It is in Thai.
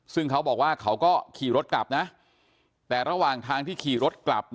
ซึ่งเขาบอกว่าเขาก็ขี่รถกลับนะแต่ระหว่างทางที่ขี่รถกลับ